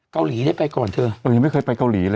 กาหลีจะไปก่อนเธอเอ๊ยยังไม่เคยไปกาหลีเลยเอ้อ